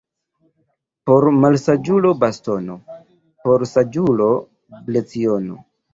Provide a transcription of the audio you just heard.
Por malsaĝulo bastono — por saĝulo leciono.